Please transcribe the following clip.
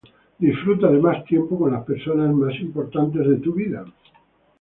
Disfruta de más tiempo con las personas más importantes de tu vida.